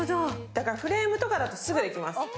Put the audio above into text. だから、フレームとかだとすぐできます。